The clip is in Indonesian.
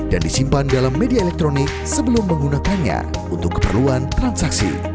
dan disimpan dalam media elektronik sebelum menggunakannya untuk keperluan transaksi